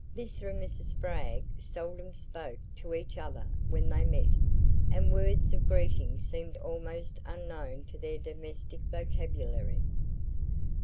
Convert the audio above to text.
Mr. and Mrs. Spragg seldom spoke to each other when they met, and words of greeting seemed almost unknown to their domestic vocabulary.